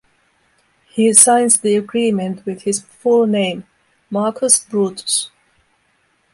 He signs the agreement with his full name: Marcus Brutus.